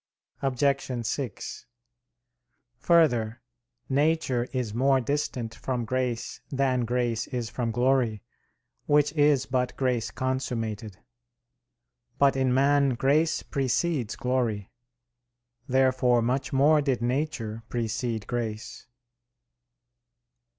Obj. 6: Further, nature is more distant from grace than grace is from glory, which is but grace consummated. But in man grace precedes glory. Therefore much more did nature precede grace.